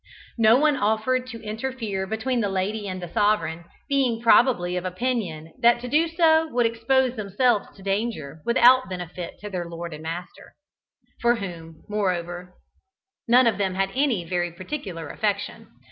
No one offered to interfere between the lady and the sovereign, being probably of opinion that to do so would expose themselves to danger without benefit to their lord and master, for whom, moreover, none of them had any very particular affection.